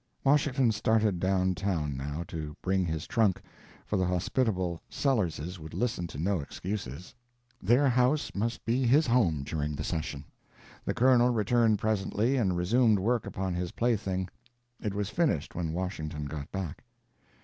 Washington started down town, now, to bring his trunk, for the hospitable Sellerses would listen to no excuses; their house must be his home during the session. The Colonel returned presently and resumed work upon his plaything. It was finished when Washington got back.